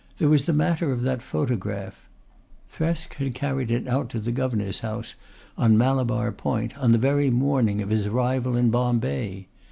There was the matter of that photograph. Thresk had carried it out to the Governor's house on Malabar Point on the very morning of his arrival in Bombay.